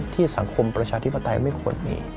สังคมประชาธิปไตยไม่ควรมี